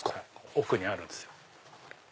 奥にあるんですよ。